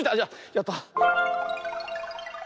やった！